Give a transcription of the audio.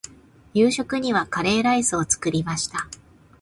夕食にはカレーライスを作りました。